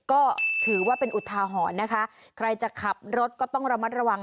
ก็ถือว่าเป็นอุทาหรณ์นะคะใครจะขับรถก็ต้องระมัดระวัง